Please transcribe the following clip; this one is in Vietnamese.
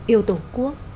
yêu tổ quốc